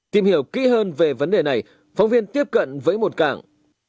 tìm hiểu kỹ hơn về vấn đề này phóng viên tiếp cận với một cảng